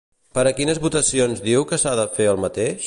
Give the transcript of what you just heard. Per a quines votacions diu que s'ha de fer el mateix?